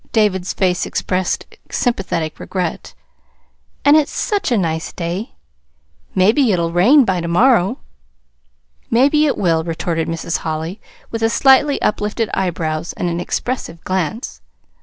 David's face expressed sympathetic regret. "And it's such a nice day! Maybe it'll rain by tomorrow." "Maybe it will," retorted Mrs. Holly, with slightly uplifted eyebrows and an expressive glance.